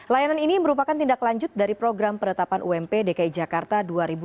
layanan ini merupakan tindak lanjut dari program penetapan ump dki jakarta dua ribu dua puluh